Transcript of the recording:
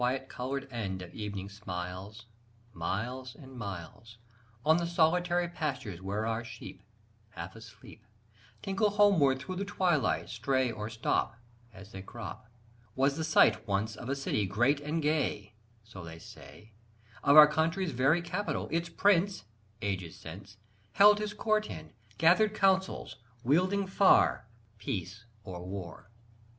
] Where the quiet coloured end of evening smiles Miles and miles On the solitary pastures where our sheep Half asleep Tinkle homeward thro' the twilight, stray or stop As they crop Was the site once of a city great and gay, (So they say) Of our country's very capital, its prince Ages since Held his court in, gathered councils, wielding far Peace or war.